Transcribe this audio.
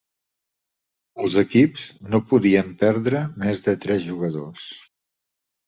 Els equips no podien perdre més de tres jugadors.